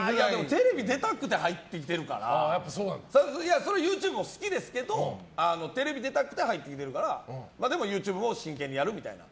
テレビ出たくて入ってきてるからそりゃＹｏｕＴｕｂｅも好きですけどテレビ出たくて入ってきてるからＹｏｕＴｕｂｅも真剣にやるみたいな。